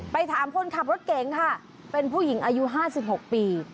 ไปถามคนขับรถเก๋งค่ะเป็นผู้หญิงอายุ๕๖ปี